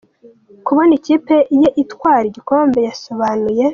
kubona ikipe ye itwara igikombe. Yasobanuye